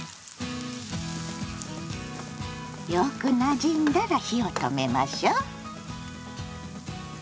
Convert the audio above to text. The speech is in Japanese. よくなじんだら火を止めましょう。